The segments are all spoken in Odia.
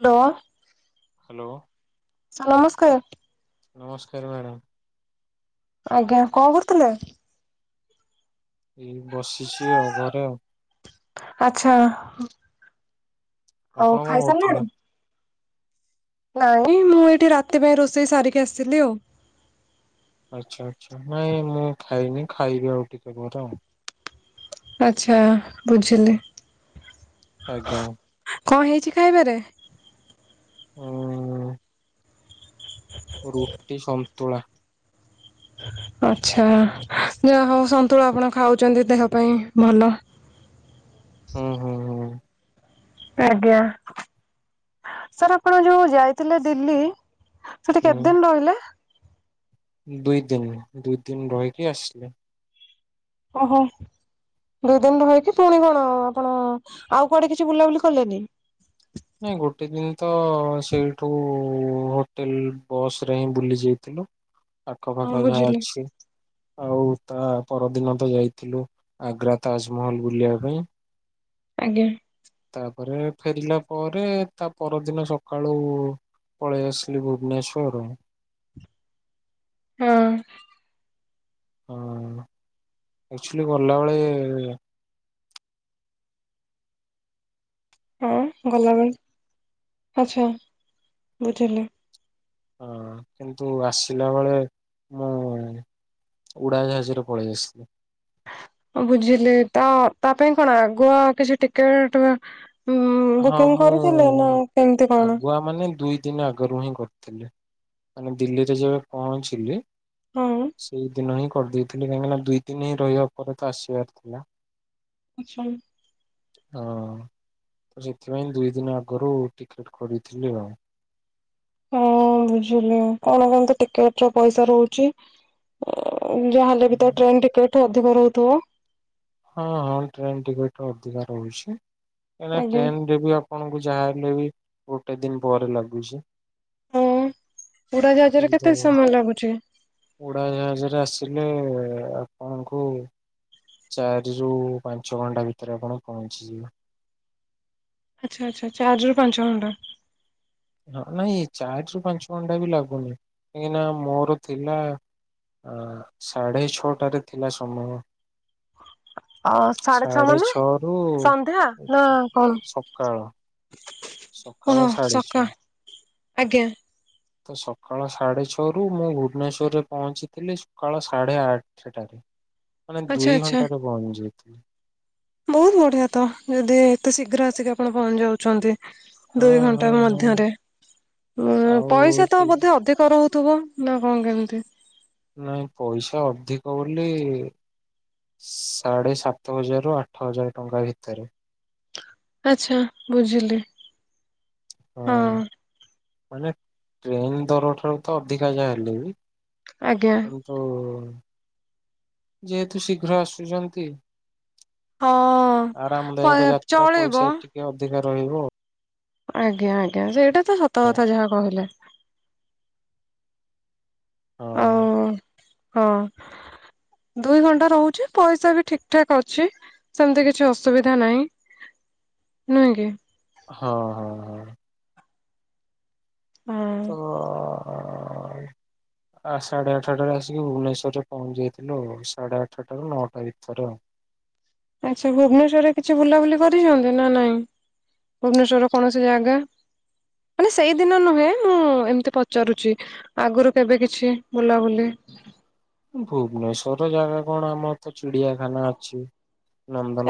Hello hello. ସା ନମସ୍କାରେ। ନମସ୍କାର ମ୍ୟାଡ଼ାମ। ଆଜ୍ଞା କଣ କରୁଥିଲେ। ଏଇ ବସିଛି ଆଉ ଘରେ ଆଉ। ଆଛା। ଆପଣ କଣ କରୁଥିଲା? ନାଇଁ ମୁଁ ଏଇଠି ରାତି ପାଇଁ ରୋଷେଇ ସାରିକି ଆସିଥିଲି ଆଉ। ଆଚ୍ଛା ଆଚ୍ଛା ନାଇଁ ମୁଁ ଖାଇନି ଖାଇବି ଆଉ ଟିକେ ଘରେ ଆଉ। ଆଚ୍ଛା ବୁଝିଲି। ଆଜ୍ଞା। କଣ ହେଇଛି ଖାଇବାରେ? [inaudible] ରୁଟି ସ ତୁଳା ଆଛା ଯାହା ହଉ ସନ୍ତୁଳା ଆପଣ ଖାଉଛନ୍ତି ଦେହ ପାଇଁ ଭଲ। ହୁଁ ହୁଁ ହୁଁ। ଆଜ୍ଞା ସାର୍ ଆପଣ ଯୋଉ ଯାଇଥିଲେ ଦିଲ୍ଲୀ। ସେଠି କେତେ ଦିନ ରହିଲେ? ଦଇ ଦିନ ଦୁଇ ଦିନ ରହିକି ଆସିଲ। ଓହୋ ଦୁଇ ଦିନ ରହିକି ପୁଣି କଣ ଆପଣ ଆଉ କୁଆଡେ କିଛି ବୁଲାବୁଲି କଲେନି? ନାଇଁ ଗୋଟେ ଦିନ ତ ସେଇଠୁ ହୋଟେଲ ବସ ରେ ହିଁ ବୁଲି ଯାଇଥିଲୁ ଆଖ ହଁ ପାଖ ଯାହା ବୁଝିଲି ଅଛି। ଆଉ ତା ପରଦିନ ତ ଯାଇଥିଲୁ ଆଗ୍ରା ତାଜମହଲ ବୁଲିବା ପାଇଁ। ଆଜ୍ଞା। ତାପରେ ଫେରିଲା ପରେ ତାପରଦିନ ସକାଳୁ ପଳେଇ ଆସିଲି ଭୁବନେଶ୍ୱର ହଁ। ହଁ ଆକ୍ଚୁଆଲି ଗଲାବେଳେ ହଁ ଗଲାବେଳେ ଆଛା ବୁଝିଲି। ହଁ କିନ୍ତୁ ଆସିଲା ବେଳେ ମୁଁ ଉଡ଼ା ଜାହଜରେ ପଳେଇ ଆସିଥିଲେ। ବୁଝିଲିତ ତାପାଇଁ କଣ ଆଗୁଆ କିଛି ଟିକେଟ ଉଁ ହଁ ବୁକିଂ ମୁଁ କରିଥିଲେ ନା କେମିତି କଣ? ଆଗୁଆ ମାନେ ଦୁଇ ଦିନ ଆଗରୁ ହିଁ କରିଥିଲେ ମାନେ ଦିଲ୍ଲୀରେ ଯେବେ ପହଞ୍ଚିଲି ହଁ ସେଇଦିନ ହିଁ କରିଦେଇଥିଲି କାହିଁକିନା ଦୁଇ ଦିନ ହିଁ ରହିବା ପରେତ ଆସିବାର ଥିଲା। ଆଚ୍ଛା। ହଁ। ତ ସେଥିପାଇଁ ଦୁଇ ଦିନ ଆଗରୁ ଟିକେଟ କରିଥିଲି ଆଉ। ହଁ ବୁଝିଲି କଣ କହନ୍ତୁ ଟିକେଟର ପଇସା ରହୁଚି ଯା ଏବେତ ଟ୍ରେନ୍ ଟିକେଟ ଅଧିକ ରହୁଥିବ? ହଁ ହଁ ଟ୍ରେନ୍ ଟିକେଟର ଅଧିକା ରହୁଛି କାଁ ଆଜ୍ଞା ଟ୍ରେନ୍ ଟିକେ ଆପଣଙ୍କୁ ଯାହା ହେଲେବି ଗୋଟେ ଦିନ ପରେ ଲାଗୁଚି। ଉଡା ଜାହାଜରେ କେତେ ସମୟ ଲାଗୁଚି? ଉଡା ଜାହାଜରେ ଆସିଲେ ଆପଣଙ୍କୁ ଚାରିରୁ ପାଞ୍ଚ ଘଣ୍ଟା ଭିତରେ ଆପଣ ପହଞ୍ଚିଯିବେ। ଆଚ୍ଛା ଆଚ୍ଛା ଚାରିରୁ ପାଞ୍ଚ ଘଣ୍ଟା ହଁ ନାଇଁ ଚାରିରୁ ପାଞ୍ଚ ଘଣ୍ଟାବି ଲାଗୁନି କାହିଁକିନା ମୋର ଥିଲା ଅ ସାଢେ ଛଅଟାରେ ଥିଲା ସମୟ ଅ ଛଅ ସାଢେ ମାନେ ଛଅରୁ ସନ୍ଧ୍ୟା ନା କଣ? ସକାଳ ସକାଳ ଓହୋ ସାଢ଼େ ଛଅ। ସକା ଆଜ୍ଞା ତ ସକାଳ ସାଢ଼େ ଛଅରୁ ମୁଁ ଭୁବନେଶ୍ୱରରେ ପହଞ୍ଚିଥିଲି ସକାଳ ସାଢ଼େ ଆ ଆଠଟାରେ ମାନେ ଆଚ୍ଛା ଦୁଇ ଘଣ୍ଟାରେ ପହଞ୍ଚି ଯାଇଥିଲି। ବହୁତ୍ ବଢ଼ିଆତ ଯଦି ଏତେ ଶୀଘ୍ର ଆସିକି ଆପଣ ପହଞ୍ଚି ଯାଉଛନ୍ତି। ହଁ ଦୁଇ ହଁ ଘଣ୍ଟା ହଁ ମଧ୍ୟରେ ଉ ଆଉ ପଇସାତ ଟି ବୋଧେ ଅଧିକ ରହୁ ଥୁବ ନା କଣ କେମିତି? ନାଇଁ ପଇସା ଅଧିକ ବୋଲି ସାଢେ ସାତ ହଜାରରୁ ଆଠ ହଜାର ଟଙ୍କା ଭିତରେ ଆଚ୍ଛା ବୁଝିଲି। ହଁ ମାନେ ଟ୍ରେନ୍ ଦର ଠାରୁତ ଅଧିକା ଯାହା ହେଲେ ବି ଆଜ୍ଞା। ତୁ ଯେହେତୁ ଶୀଘ୍ର ଆସୁଚନ୍ତି ଆରାମଦାୟକ ହଁ। ଯାତ୍ରା ଚଳିବ ପଇସା ଟିକେ ଅଧିକା ରହିବ। ଆଜ୍ଞା-ଆଜ୍ଞା ସେଇଟାତ ସତ ଆଉ କଥା ଯାହା କହିଲେ। ଅଁ ହଁ। ଦୁଇ ଘଣ୍ଟା ରହୁଛି ପଇସାବି ଠିକ୍ ଠାକ୍ ଅଛି। ସେମିତି କିଛି ଅସୁବିଧା ନାହିଁ, ନୁହେଁ କି? ହଁ-ହଁ। ହଁ ତ ଆ ସାଢେ ଆଠଟାରେ ଆସିକି ଭୁବନେଶ୍ଵରରେ ପହଞ୍ଚି ଯାଇଥିଲୁ ଆ ସାଢେ ଆଠଟାରୁ ନଅଟା ଭିତରେ ଆଉ। ଆଛା, ଭୁବନେଶ୍ୱରରେ କିଛି ବୁଲାବୁଲି କରିଚନ୍ତି ନା ନାଇଁ? ଭୁବନେଶ୍ୱରର କୌଣସି ଜାଗା? ମାନେ ସେଇଦିନ ନୁହେଁ, ମୁଁ ଏମିତି ପଚାରୁଚି? ଆଗରୁ କେବେ କିଛି ବୁଲାବୁଲି ଭୁବନେଶ୍ଵର ଜାଗା କଣ, ଆମର ତ ଚିଡିଆଖାନା ଅଛି।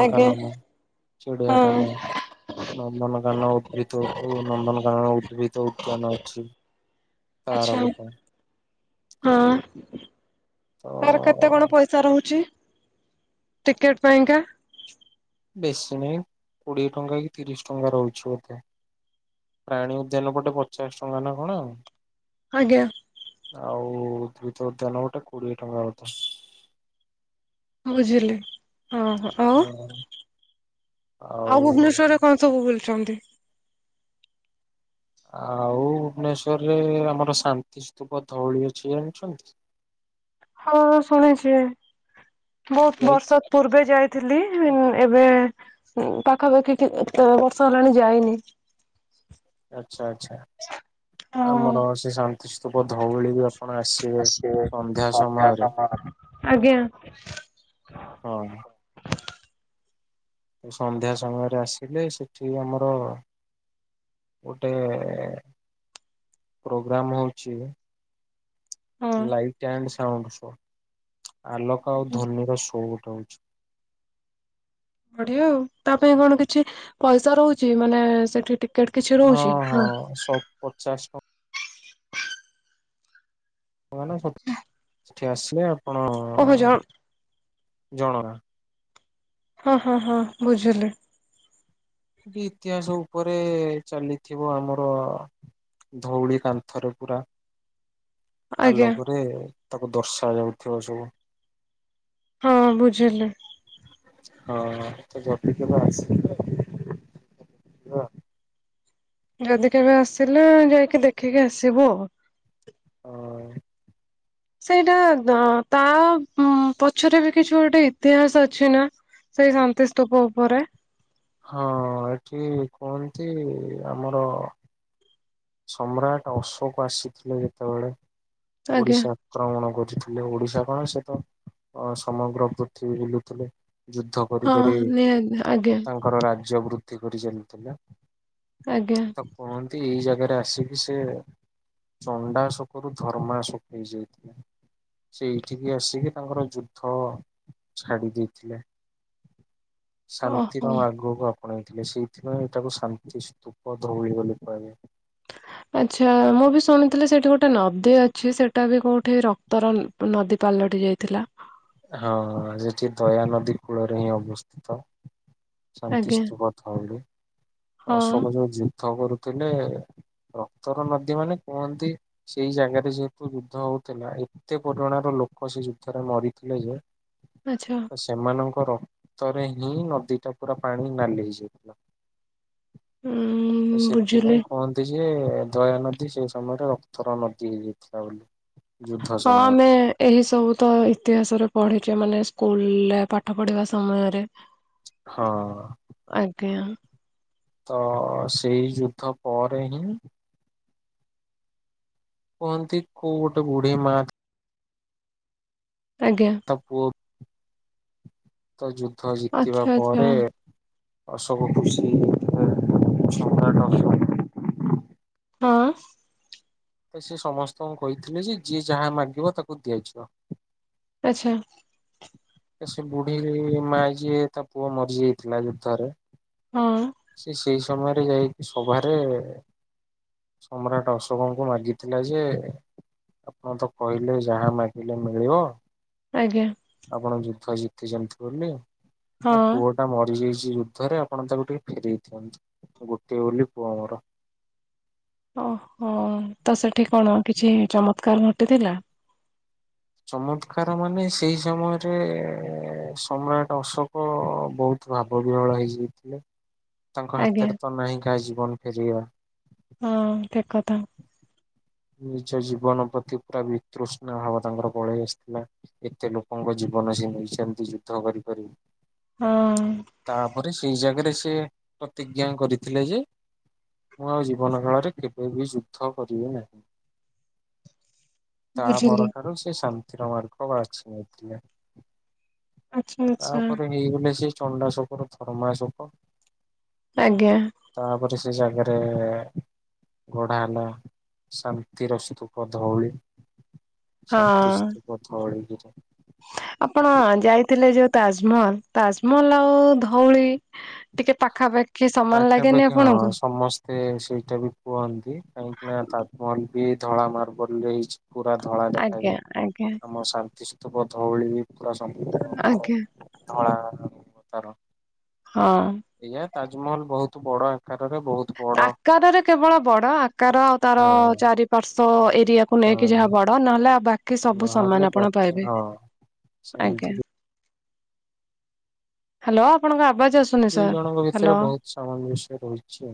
ଆଜ୍ଞା ହଁ ଚିଡ଼ିଆଖାନା ନନ୍ଦନକାନ ଉଦ୍ଭିଦକୁ, ନନ୍ଦନକାନନର ଉଦ୍ଭିଦ ଉଦ୍ୟାନ ଅଛି। ତାର ଆଛା, ଗୋଟେ ହଁ। ତ ତାର କେତେ କଣ ପଇସା ରହୁଚି, ଟିକେଟ ପାଇଁକା? ବେଶୀ ନାହିଁ, କୋଡିଏ ଟଙ୍କା କି ତିରିଶ ଟଙ୍କା ରହୁଚି ବୋଧେ? ପ୍ରାଣୀ ଉଦ୍ୟାନ ପଟେ, ପଚାଶ ଟଙ୍କା ନା କଣ ଆଉ? ଆଜ୍ଞା। ଆଉ ଉଦ୍ଭିଦ ଉଦ୍ୟାନ ପଟେ, କୋଡିଏ ଟଙ୍କା ବୋଧେ? ବୁଝିଲି ହଁ-ହଁ। ନା, ଆଉ କଣ ସବୁ ବୁଲିଚନ୍ତି? ଆଉ ଭୁବନେଶ୍ୱରରେ ଆମର ଶାନ୍ତିସ୍ତୁପ ଧଉଳି ଅଛି, ଜାଣିଚନ୍ତି? ହଁ ଶୁଣିଚି, ବହୁତ୍ ଯାଇଛି ବର୍ଷ ପୂର୍ବେ ଯାଇଥିଲି, ଏବେ ପାଖାପାଖି କେତେବର୍ଷ ହେଲାଣି ଯାଇନି। ଆଛା ଆଛା, ହଁ ଆମର ସେ ଶାନ୍ତି ଶାନ୍ତିସ୍ତୁପ ଧଉଳି ବି ଆପଣ ଆସିବେ, ସନ୍ଧ୍ୟା ସମୟରେ ଆଜ୍ଞା ହଁ। ସନ୍ଧ୍ୟା ସମୟରେ ଆସିଲେ, ସେଠି ଆମର ଗୋଟେ ପ୍ରୋଗ୍ରାମ ହଉଚି ହଁ ଲାଇଟ୍ ଆଣ୍ଡ ସାଉଣ୍ଡ ଶୋ, ଆଲୋକ ଆଉ ଧ୍ୱନିର ଶୋ ଗୋଟେ ହଉଚି। ବଢଆ ଆଉ, ତା ପାଇଁ କଣ କିଛି ପଇସା ରହୁଚି, ମାନେ ସେଠି ଟି କେଟ କିଛି ରହୁଚି, ହଁ। ପଚାଶ ଟଙ୍କା। ସତ୍ ସେଠି ଆସିଲେ ଆପଣ ଓହ ଜାମ୍। ଜଣଣା। ହଁ-ହଁ-ହଁ ବୁଝିଲି। ଇତିହାସ ଉପରେ ଚାଲିଥିବ ଆମର ଧଉଳି କାନ୍ଥରେ ପୁରା ଆଜ୍ଞା ଆଲୋକରେ, ତାକୁ ଦର୍ଶାଯାଉଥିବ ସବୁ। ହଁ, ବୁଝିଲି। ହଁ, ସେ ବସିଥିବ ଆସିବେ [unintelligible] ଯଦି କେବେ ଆସିଲା, ଯାଇକି ଦେଖିକି ଆସିବୁ ଆଉ। ଅ ସେଇଟା, ତା ଉ ପଛରେ ବି କିଛି ଗୋଟେ ଇତିହାସ ଅଛି ନା? ସେଇ ଶାନ୍ତି ସ୍ତୁପ ଉପରେ ହଁ, ଏଠି କୁହନ୍ତି ଆମର ସମ୍ରାଟ ଅଶୋକ ଆସିଥିଲେ ଯେତେବେଳେ ଆଜ୍ଞା ଓଡିଶା ଆକ୍ରମଣ ଖୋଜିଥିଲେ ଓଡିଶା କଣ ସେ ତ ଅ ସମଗ୍ର ପୃଥିବୀ ବୁଲୁଥିଲେ ଯୁଦ୍ଧ କରିିକରି ଆଜ୍ଞ ଆଜ୍ଞା ତାଙ୍କର ରାଜ୍ୟ ବୃଦ୍ଧି କରି ଚାଲିଥିଲା। ଆଜ୍ଞା ତ କୁହନ୍ତି ଏଇ ଜାଗାରେ ଆସିକି ସେ ଚଣ୍ଡା ଶୋକରୁ ଧର୍ମା ଶୋକ ହେଇ ହେଇଯାଇଥିଲେ। ସେ ଏଇଠିକି ଆସିକି ତାଙ୍କର ଯୁଦ୍ଧ ଛାଡି ଦେଇଥିଲେ ସାନ୍ତ ଓହୋ ଆଗକୁ ଆପଣେଇଥିଲେ ସେଇଥି ପାଇଁ ଏଇଟାକୁ ଶାନ୍ତି ସ୍ତୂପ ଧଉଳି ବୋଲି କୁହାଯାଏ। ଆଚ୍ଛା ମୁଁ ବି ଶୁଣିଥିଲି ସେଇଠି ଗୋଟେ ନଦୀ ଅଛି ସେଇଟା ବି କୋଉଠି ରକ୍ତର ନ ନଦୀ ପାଲଟି ଯାଇଥିଲା। ହଁ ସେଠି ଦୟାନଦୀ କୂଳରେ ହିଁ ଅବସ୍ଥିତ ଶାନ୍ତି ଆଜ୍ଞା ସ୍ତୁପ ତ ବୋଲି ହଁ ଅ ସବୁ ଯୋଉ ଯୁଦ୍ଧ କରୁଥିଲେ ରକ୍ତର ନଦୀ ମାନେ କୁହନ୍ତି ସେଇ ଜାଗାରେ ଯେହେତୁ ଯୁଦ୍ଧ ହୋଉଥିଲା ଏତେ ପରିମାଣ ର ଲୋକ ସେ ଯୁଦ୍ଧରେ ମରି ଥିଲେ ଯେ ଆଚ୍ଛା ସେମାନଙ୍କ ରକ୍ତରେ ହିଁ ନଦୀ ଟା ପୁରା ପାଣି ନାଲି ହେଇଯାଇଥିଲା। ଉଁ ବୁଝିଲି। ସେଥିପାଇଁ କୁହନ୍ତି ଯେ ଦୟାନଦୀ ସେ ସମୟରେ ରକ୍ତର ନଦୀ ହେଇଯାଇଥିଲା ବୋଲି। ଯୁଦ୍ଧ ହଁ ସମୟରେ ଆମେ ଏହି ସବୁ ତ ଇତିହାସରେ ପଡ଼ିଛି ମାନେ ସ୍କୁଲରେ ପାଠ ପଢିବା ସମୟରେ। ହଁ। ଆଜ୍ଞା। ତ ସେଇ ଯୁଦ୍ଧ ପରେ ହିଁ କୁହନ୍ତି କୋଉ ଗୋଟେ ବୁଢୀ ମା ଆଜ୍ଞା ତା ପୁଅ ତ ଯୁଦ୍ଧ ଜିତିବା ଆଚ୍ଛା ଆଚ୍ଛା ପରେ ଅସବୁ ଖୁସି ରେ ସମ୍ରାଟ ଅଶ ହଁ ତ ସେ ସମସ୍ତଙ୍କୁ କହିଥିଲେ ଯେ ଯିଏ ଯାହା ମାଗିବ ତାକୁ ଦିଆଯିବ। ଆଛା ସେ ବୁଢୀ ମା ଯିଏ ତା ପୁଅ ମରି ଯାଇଥିଲା ଯୁଦ୍ଧରେ। ହଁ ସେ ସେଇ ସମୟରେ ଯାଇକି ସଭାରେ ସମ୍ରାଟ ଅଶୋକଙ୍କୁ ମାଗିଥିଲା ଯେ ଆପଣ ତ କହିଲେ ଯାହା ମାଗିଲେ ମିଳିବ। ଆଜ୍ଞା ଆପଣ ଯୁଦ୍ଧ ଜିତି ଚନ୍ତି ବୋଲି ମୋ ହଁ। ପୁଅ ନା ମରିଯାଇଛି ଯୁଦ୍ଧରେ ଆପଣ ତାକୁ ଟିକେ ଫେରଇ ଦିଅନ୍ତୁ ଗୋଟଏ ବୋଲି ପୁଅ ମୋର। ଓ ହୋ ତ ସେଠି କଣ କିଛି ଚମତ୍କାର ଘଟିଥିଲା? ଚମତ୍କାର ମାନେ ସେଇ ସମୟରେ ସମ୍ରାଟ ଅଶୋକ ବୋହୁତ ଭାବ ବିହଳ ହେଇଯାଇଥିଲେ। ତାଙ୍କ ଆଜ୍ଞା ହାତରେ ତ ନାହିଁ କାହି ଜୀବନ ଫେରିବା। ହଁ ଠିକ୍ କଥା। ନିଜ ଜୀବନ ପ୍ରତି ପୁରା ବିତୃଷ୍ଣା ଭାବ ତାଙ୍କର ପଳେଇ ଆସିଥିଲା। ଏତେ ଲୋକଙ୍କ ଜୀବନ ସେ ନେଇଛନ୍ତି ଯୁଦ୍ଧ କରି କରି ହଁ। ତାପରେ ସେଇ ଜାଗାରେ ସେ ପ୍ରତିଜ୍ଞା କରିଥିଲେ ଯେ ମୁଁ ଆଉ ଜୀବନ କେଳରେ କେବେ ବି ଯୁଦ୍ଧ କରିବି ନାହିଁ। ତା ବୁଝିଲି ପରଠାରୁ ସେ ଶାନ୍ତି ର ମାର୍ଗ ବାଛି ନେଇଥିଲେ। ଆଚ୍ଛା ଆଚ୍ଛା। ତାପରେ ହେଇଗଲେ ସେ ଚଣ୍ଡାଶୋକର ଧର୍ମା ଶୋକ। ଆଜ୍ଞା। ତାପରେ ସେ ଜାଗାରେ ଘୋଡା ହେଲା। ଶାନ୍ତିର ସ୍ତୁପ ଧଉଳି ଶାନ୍ତି ହଁ। ସ୍ତୁପ ଧଉଳିିଗିରି। ଆପଣ ଯାଇଥିଲେ ଯୋଉ ତାଜମହଲ ତାଜମହଲ ଆଉ ଧଉଳି ଟିକେ ପାଖାପାଖି ସମାନ ଲାଗେନି ଆପଣଙ୍କୁ। ସେ ସେଇଟା ବି କୁହନ୍ତି କାହିଁକିନା ତାଜମହଲ ବି ଧଳା ମାର୍ବଲରେ ହେଇଛି। ପୁରା ଧଳା ଆଜ୍ଞା ଦେଖାଯାଏ ଆଜ୍ଞା ଆମ ଶାନ୍ତି ସ୍ତୂପ ଧଉଳି ପୂରା ସମ୍ପୁର୍ଣ୍ଣ ଆଜ୍ଞା ଧଳା ପଥର। ହଁ। ଏଇଆା ତାଜମହଲ ବହୁତ ବଡ ଆକାରରେ ବହୁତ ବଡ ଆକାରରେ କେବଳ ବଡ ଆକାର ଆଉ ତାର ହଁ ଚାରିପାର୍ଶ ଏରିଆକୁ ନେଇକି ଯାହା ହଁ ବଡ। ତ ନହେଲେ ଆଉ ବାକି ସବୁ ନହେଲେ ସମାନ ଆପଣ ବାକି ପାଇବେ ହଁ ସେମିତି ଆଜ୍ଞା। ହ୍ୟାଲୋ ଆପଣଙ୍କ ଆବାଜ ଆଶ୍ ଦୁଇ ଜଣଙ୍କ ଭିତରେ ବହୁତ ସାମଞ୍ଜସ୍ୟ ରହିଛି।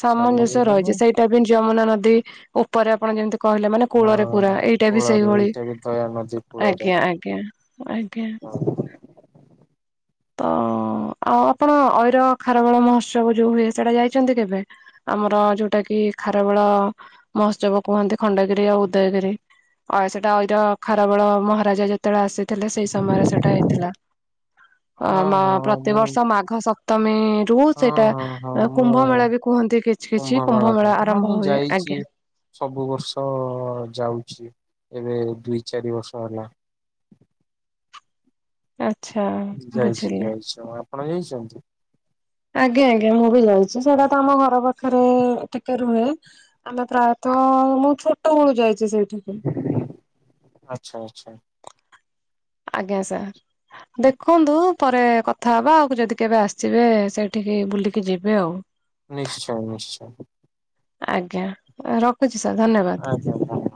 ସାମଞ୍ଜସ୍ୟ ରହିଛି ସେଇଟା ବି ଯମୁନା ନଦୀ ଉପରେ ଆପଣ ଯେମିତି। କହିଲେ ମାନେ କୂଳରେ ପୁରା ହଁ ଏଇଟା ବି କୂଳରେ ସେଇଭଳି ଏଇଟା ବି ଦୟା ନଦୀ କୂଳରେ ଆଜ୍ଞା ଆଜ୍ଞା। ଆଜ୍ଞା। ହଁ। ତ ଆଉ ଆପଣ ଅଇର ଖାରବେଳ ମହୋତ୍ସବ ଯୋଉ ହୁଏ ସେଇଟା ଯାଇଛନ୍ତି କେବେ? ଆମର ଯୋଉଟା କି ଖାରବେଳ ମହୋତ୍ସବ କୁହନ୍ତି ଖଣ୍ଡଗିରି ଆଉ ଉଦୟଗିରି। ଅ ସେଟାଇର ଖାରବେଳ ମହାରାଜା ଯେତେବେଳେ ଆସେ ଥିଲେ ସେଇ ସମୟରେ ସେଟା ହେଇଥିଲା ଅ ହଁ ମ ହଁ ମୁଁ ପ୍ରତିବର୍ଷ ମାଘ ସ ତମି ରୁ ହଁ ସେଇଟା। ହଁ ହଁ ମୁଁ କୁମ୍ଭ ମେଳା ବି କୁହନ୍ତି କିଛି କିଛି କୁମ୍ଭମେଳା କୁମ୍ଭ ମେଳା କୁହନ୍ତି ହଁ ଆରମ୍ଭ ମୁଁ ହୁଏ ଯାଇଛି। ଆଜ୍ଞା। ସବୁ ବର୍ଷ ଯାଉଛି ଏବେ ଦୁଇ ଚାରି ବର୍ଷ ହେଲା। ଆଛା। ଯାଇଛି ଯାଇଛି ମୁଁ ଆପଣ ଯାଇଛନ୍ତି? ଆଜ୍ଞା ଆଜ୍ଞା ମୁଁ ବି ଯାଇଛି ସେଟା ତମ ଘର ପାଖରେ ଟିକେ ରୁହେ। ଆମେ ପ୍ରାୟତଃ ମୁଁ ଛୋଟ ବେଳୁ ଯାଇଛି ସେଇଠିକି। ଆଛା ଆଚ୍ଛା। ଆଜ୍ଞା ସାର୍ ଦେଖନ୍ତୁ। ପରେ କଥା ହବା ଆଉ ଯଦି କେବେ ଆସିବେ ସେଇଠିକି ବୁଲିକି ଯିବେ ଆଉ। ନିଶ୍ଚୟ ନିଶ୍ଚୟ। ଆଜ୍ଞା ରଖୁଛି ସାର୍ ଧନ୍ୟବାଦ। ଆଜ୍ଞା ଧନ୍ୟବାଦ।